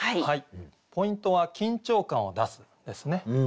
ポイントは「緊張感を出す」ですね。